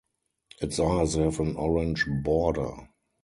Its eyes have an orange border.